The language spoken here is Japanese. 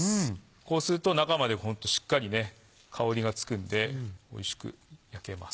こうすると中までホントしっかり香りがつくんでおいしく焼けます。